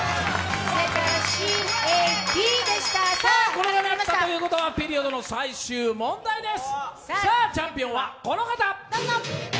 鐘が鳴ったということはピリオドの最終問題です。